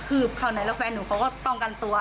แต่ถือข้างในแฟนหนูเขาก็ต้องกันตัว